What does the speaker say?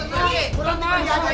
t ranti berhenti